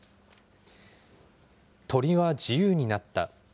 鳥は自由になった。